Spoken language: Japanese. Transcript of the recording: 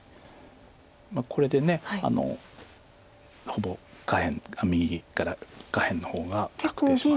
これでほぼ下辺右から下辺の方が確定しました。